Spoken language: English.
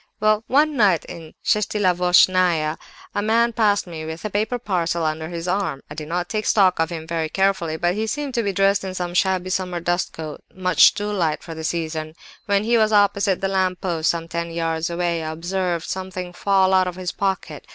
"Well, one night in the Shestilavochnaya, a man passed me with a paper parcel under his arm. I did not take stock of him very carefully, but he seemed to be dressed in some shabby summer dust coat, much too light for the season. When he was opposite the lamp post, some ten yards away, I observed something fall out of his pocket.